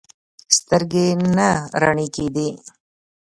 سترګې نه رڼې کېدې.